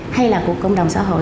hay là của cộng đồng xã hội